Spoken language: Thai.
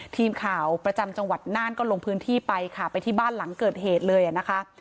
ทีมข่าวประจำจังหวัดน่านก็ลงพื้นที่ไปค่ะไปที่บ้านหลังเกิดเหตุเลยนะคะ